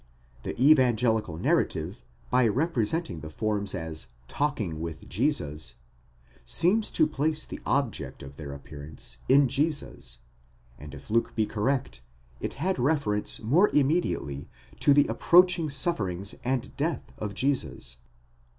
The evangelical narrative, by representing the forms as /alking with Jesus, συλλαλοῦντες τῶ Ἶ., seems to place the object of their appearance in Jesus; and if Luke be cor rect, it had reference more immediately to the approaching sufferings and death of Jesus.